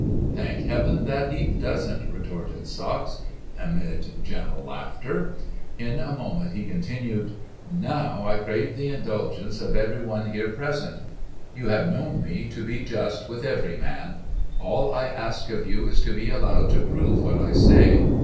"Thank Heaven that he doesn't!" retorted Sachs, amid general laughter. In a moment he continued, "Now I crave the indulgence of everyone here present. You have known me to be just with every man. All I ask of you is to be allowed to prove what I say.